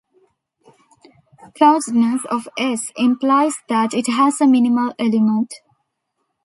Closedness of "S" implies that it has a minimal element.